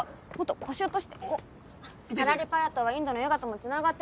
カラリパヤットはインドのヨガともつながってるの。